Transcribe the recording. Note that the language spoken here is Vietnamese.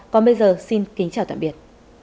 còn bây giờ xin kính chào tạm biệt